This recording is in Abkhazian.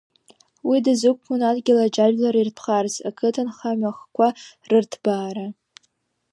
Уи дазықәԥон адгьыл аџьажәлар иртәхарц, ақыҭанхамҩа ахкқәа рырҭбаара.